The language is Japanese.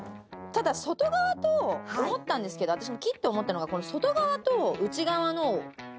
ただ外側と思ったんですけど私も切って思ったのがこの。